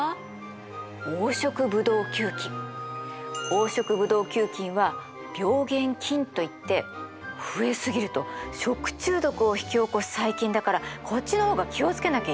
黄色ブドウ球菌は病原菌といって増え過ぎると食中毒を引き起こす細菌だからこっちの方が気を付けなきゃいけないの。